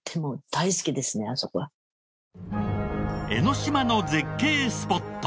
江の島の絶景スポット。